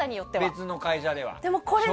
別の会社ではね。